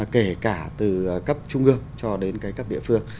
kể cả từ cấp trung ương cho đến cái cấp địa phương